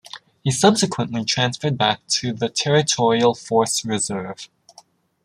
He subsequently transferred back to the Territorial Force Reserve.